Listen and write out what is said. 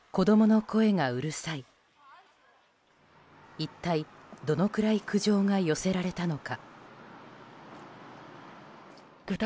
一体どのくらい苦情が寄せられたのか。